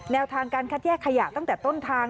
แนวทางการคัดแยกขยะตั้งแต่ต้นทาง